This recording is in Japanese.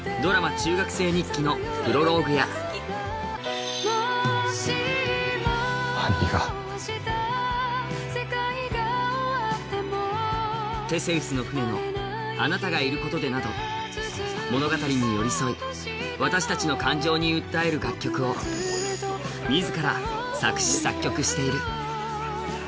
「中学聖日記」のプロローグや「テセウスの船」の「あなたがいることで」など物語に寄り添い、私たちの感情に訴える楽曲を自ら作詞作曲している。